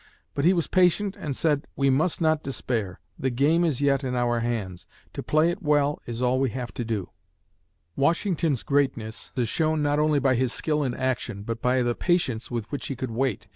But he was patient and said, "We must not despair! The game is yet in our hands; to play it well is all we have to do." Washington's greatness is shown not only by his skill in action, but by the patience with which he could wait.